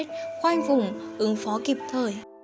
chuy vết khoan vũng ứng phó kịp thời